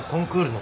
の